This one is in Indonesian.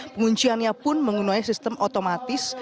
pengunciannya pun menggunakan sistem otomatis